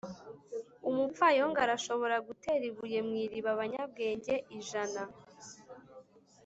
umupfayongo arashobora gutera ibuye mu iriba abanyabwenge ijana